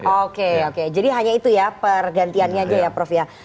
oke oke jadi hanya itu ya pergantiannya aja ya prof ya